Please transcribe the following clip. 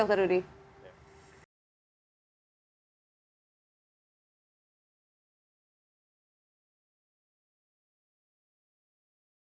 terima kasih dokter rudy